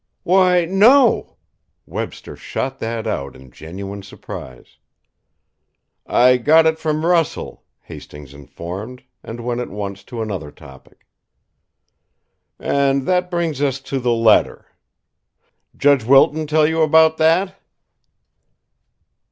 "Why, no!" Webster shot that out in genuine surprise. "I got it from Russell," Hastings informed, and went at once to another topic. "And that brings us to the letter. Judge Wilton tell you about that?"